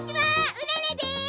うららです！